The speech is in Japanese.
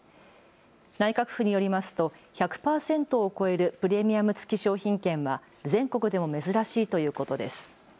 内閣府によりますと１００％を超えるプレミアム付き商品券は全国でも珍しいということです。